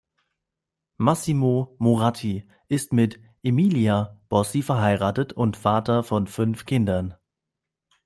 Massimo Moratti ist mit Emilia Bossi verheiratet und Vater von fünf Kindern.